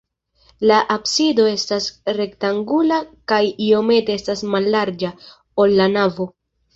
La absido estas rektangula kaj iomete estas mallarĝa, ol la navo.